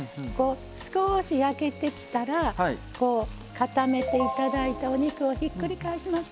少し焼けてきたら固めていただいたお肉をひっくり返します。